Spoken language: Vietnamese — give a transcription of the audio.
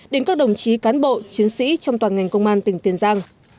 đến các đồng chí cán bộ chiến sĩ trong toàn ngành công an tỉnh tiền giang